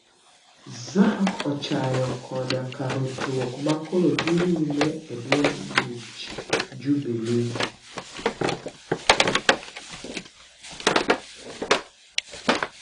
Zac ochayo koda ka rochruok makoro dhi nyime e duond bura mar jubilee